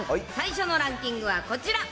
最初のランキングはこちら。